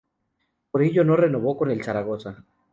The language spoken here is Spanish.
Por ello no renovó con el Zaragoza.